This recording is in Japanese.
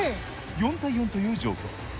４対４という状況。